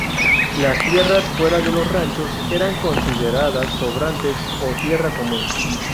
Las tierras fuera de los ranchos eran consideradas "sobrantes", o tierra común.